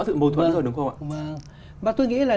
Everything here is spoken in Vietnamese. sự mâu thuẫn rồi đúng không ạ và tôi nghĩ là